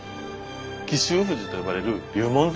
紀州富士と呼ばれる龍門山なんです。